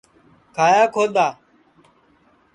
کھایا کھودؔا